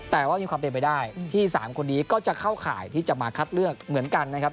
แต่ว่ามีความเป็นไปได้ที่๓คนนี้ก็จะเข้าข่ายที่จะมาคัดเลือกเหมือนกันนะครับ